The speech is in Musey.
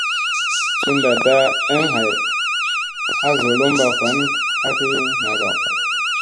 Sun naɗta eŋ hay haa zolomɓa van hagi ni naa gaw.